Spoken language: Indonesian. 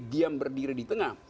diam berdiri di tengah